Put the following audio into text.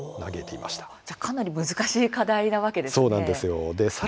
じゃあかなり難しい課題なわけですね。